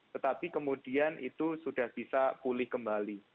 tetapi kemudian itu sudah bisa pulih kembali